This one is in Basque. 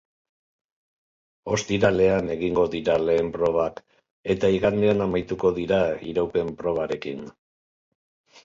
Ostiralean egingo dira lehen probak, eta igandean amaituko dira, iraupen probarekin.